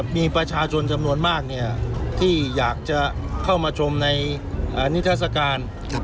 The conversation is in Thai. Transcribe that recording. มีประชาชนจำนวนมากที่อยากจะเข้ามาชมในนิทัศกาล